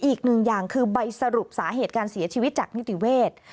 อีกหนึ่งอย่างคือใบสรุปสาเหตุการเสียชีวิตจากนิติเวทย์